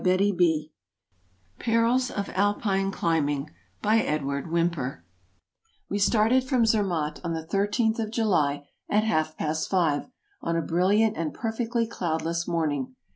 EUROPE Perils of Alpine Climbing By EDWARD WHYMPER WE started from Zermatt on the thirteenth of July at half past five, on a brilliant and perfectly cloudless morning.